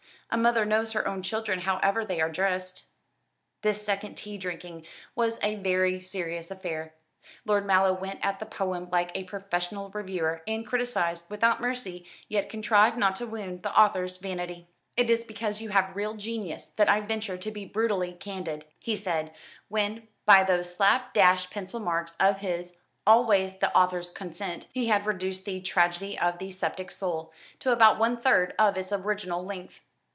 A mother knows her own children however they are dressed." This second tea drinking was a very serious affair. Lord Mallow went at the poem like a professional reviewer, and criticised without mercy, yet contrived not to wound the author's vanity. "It is because you have real genius that I venture to be brutally candid," he said, when, by those slap dash pencil marks of his always with the author's consent he had reduced the "Tragedy of the Sceptic Soul" to about one third of its original length.